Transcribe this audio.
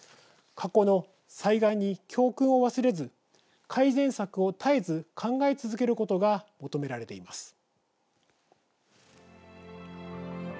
過去の災害に教訓を忘れず改善策を絶えず考え続けることが求められています。